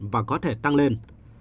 và có thể tăng lên